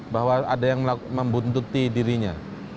bahwa ada yang membuntuti dirinya